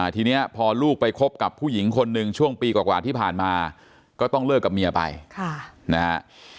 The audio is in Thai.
ทีนี้พอลูกไปคบกับผู้หญิงคนหนึ่งช่วงปีกว่าที่ผ่านมาก็ต้องเลิกกับเมียไปนะฮะ